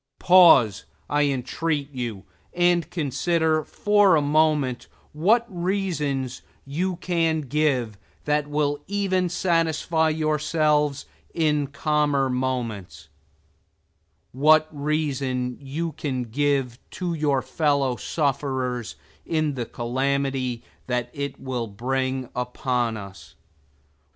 Pause, I entreat you, and consider for a moment what reasons you can give, that will even satisfy yourselves in calmer moments what reason you can give to your fellow sufferers in the calamity that it will bring upon us.